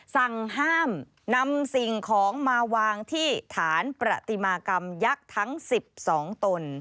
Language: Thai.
สั่งห้ามนำสิ่งของมาวางที่ฐานประติมากรรมยักษ์ทั้ง๑๒ตน